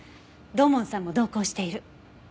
土門さんも同行している。